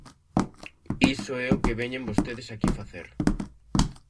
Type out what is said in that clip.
Iso é o que veñen vostedes aquí facer.